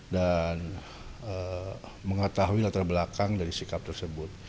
dan mengetahui latar belakang dari sikap tersebut